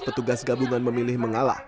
petugas gabungan memilih mengalah